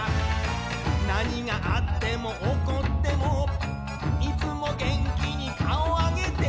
「何があっても起こっても」「いつも元気に顔上げて」